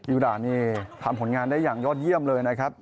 อิราณนี่ทำผลงานได้อย่างยอดเยี่ยมเลยนะครับ